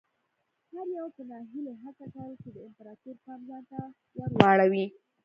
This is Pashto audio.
هر یوه په ناهیلۍ هڅه کوله چې د امپراتور پام ځان ته ور واړوي.